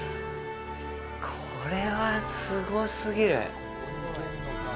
これは、すごすぎる。